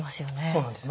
そうなんです。